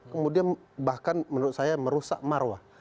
kemudian bahkan menurut saya merusak marwah